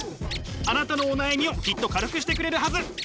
あなたのお悩みをきっと軽くしてくれるはず。